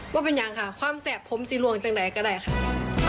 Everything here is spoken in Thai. ว่าเป็นอย่างค่ะความแสบพร้อมซีรวงจังใดก็ได้ค่ะ